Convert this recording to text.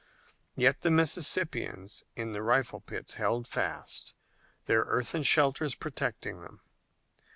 Yet the Mississippians in the rifle pits held fast, their earthen shelters protecting them.